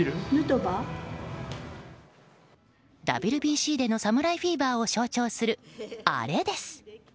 ＷＢＣでの侍フィーバーを象徴する、あれです。